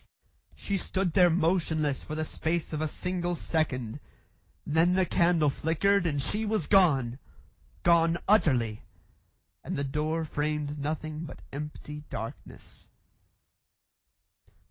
She stood there motionless for the space of a single second. Then the candle flickered and she was gone gone utterly and the door framed nothing but empty darkness.